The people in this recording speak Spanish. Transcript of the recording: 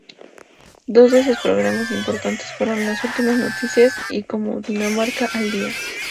Dos de sus programas importantes fueron "Las últimas Noticias" y "Cundinamarca al Día".